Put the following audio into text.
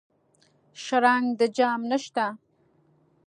شرنګ د جام نشته